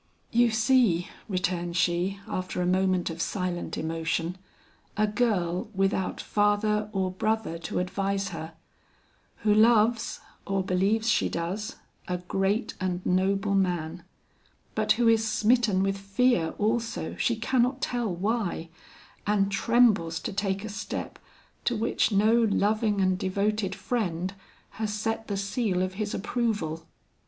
"You see," returned she, after a moment of silent emotion, "a girl without father or brother to advise her; who loves, or believes she does, a great and noble man, but who is smitten with fear also, she cannot tell why, and trembles to take a step to which no loving and devoted friend has set the seal of his approval."